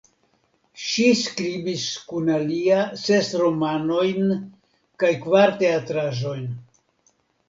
Ŝi skribis kun alia ses romanojn kaj kvar teatraĵojn.